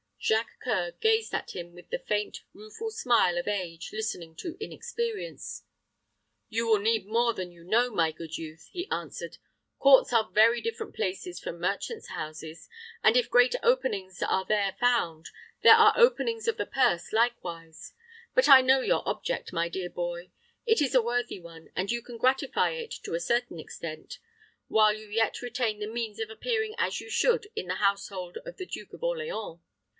Jacques C[oe]ur gazed at him with the faint, rueful smile of age listening to inexperience. "You will need more than you know, my good youth," he answered. "Courts are very different places from merchant's houses; and if great openings are there found, there are openings of the purse likewise. But I know your object, my dear boy. It is a worthy one, and you can gratify it to a certain extent, while you yet retain the means of appearing as you should in the household of the Duke of Orleans.